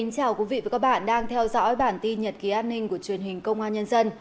chào mừng quý vị đến với bản tin nhật ký an ninh của truyền hình công an nhân dân